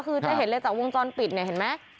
คือจะเห็นเลยจากวงจรปิดเนี่ยเห็นไหม